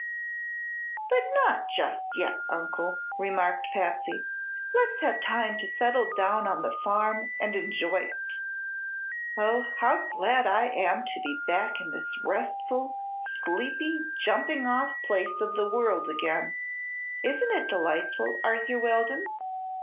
"But not just yet, Uncle," remarked Patsy. "Let's have time to settle down on the farm and enjoy it. Oh, how glad I am to be back in this restful, sleepy, jumping off place of the world again! Isn't it delightful, Arthur Weldon?